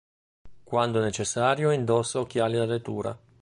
Quando necessario indossa occhiali da lettura.